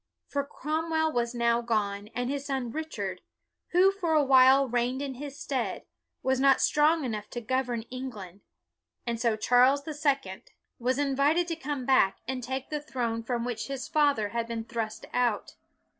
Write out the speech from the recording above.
For Cromwell was now gone, and his son Richard, who for a while reigned in his stead, was not strong enough to govern England, and so Charles the Second was 264 BUNYAN invited to come back and take the throne from which his father had been thrust out.